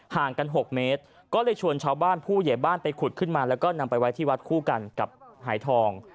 ห่างกัน๖เมตรก็เลยชวนชาวบ้านผู้เหยียบบ้านไปขุดขึ้นมาแล้วก็นำไปไว้ที่วัดคู่กันกับหายทอง